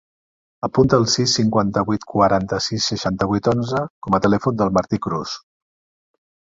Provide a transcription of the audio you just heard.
Apunta el sis, cinquanta-vuit, quaranta-sis, seixanta-vuit, onze com a telèfon del Martí Cruz.